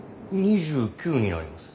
２９になります。